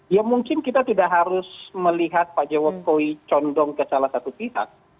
ya mungkin kita tidak harus melihat pak jokowi condong ke salah satu pihak